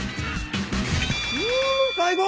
うん最高！